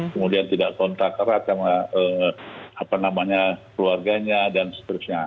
kemudian tidak kontak erat sama keluarganya dan seterusnya